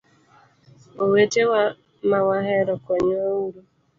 Owetewa ma wahero konywa uru.